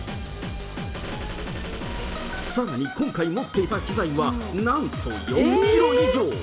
さらに今回持っていた機材は、なんと４キロ以上。